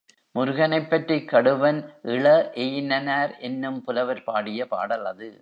முருகனைப் பற்றிக் கடுவன் இள எயினனார் என்னும் புலவர் பாடிய பாடல் அது.